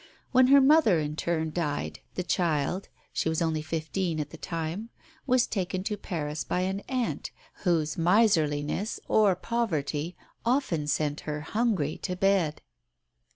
When her mother in turn died, the child (she was only fifteen at the time) was taken to Paris by an aunt, whose miserliness or poverty often sent her hungry to bed.